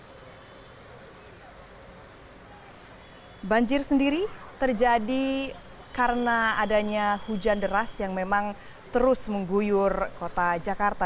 hai banjir sendiri terjadi karena adanya hujan deras yang memang terus mengguyur kota jakarta